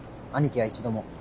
兄貴は一度も。